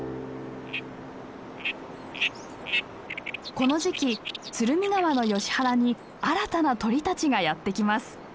この時期鶴見川のヨシ原に新たな鳥たちがやって来ます。